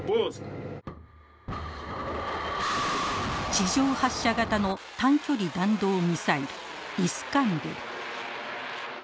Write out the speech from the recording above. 地上発射型の短距離弾道ミサイルイスカンデル。